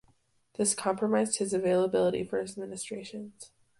This compromised his availability for his ministrations.